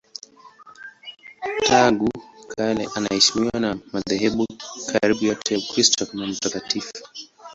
Tangu kale anaheshimiwa na madhehebu karibu yote ya Ukristo kama mtakatifu.